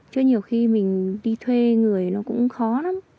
chứ nhiều khi mình đi thuê người nó cũng khó lắm